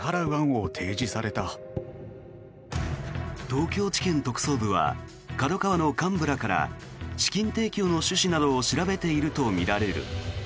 東京地検特捜部はＫＡＤＯＫＡＷＡの幹部らから資金提供の趣旨などを調べているとみられる。